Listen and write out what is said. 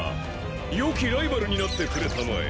よきライバルになってくれたまえ。